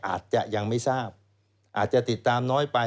อาจจะยังไม่ทราบอาจจะติดตามน้อยไป